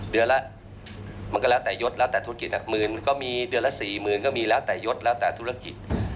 เดือนละมันก็แล้วแต่ยศแล้วแต่ธุรกิจหมื่นก็มีเดือนละ๔๐๐๐ก็มีแล้วแต่ยดแล้วแต่ธุรกิจ